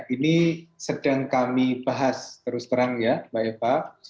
ini sedang kami bahas terus terang ya mbak eva